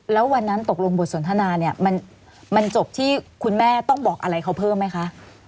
แล้ววันนั้นตกลงบทสนทนาเนี่ยมันจบที่คุณแม่ต้องบอกอะไรเขาเพิ่มไหมคะ